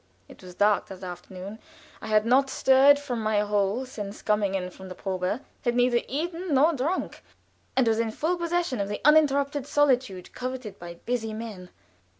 It was dark that afternoon. I had not stirred from my hole since coming in from the probe had neither eaten nor drunk, and was in full possession of the uninterrupted solitude coveted by busy men.